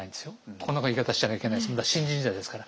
こんな言い方しちゃいけないですけどまだ新人時代ですから。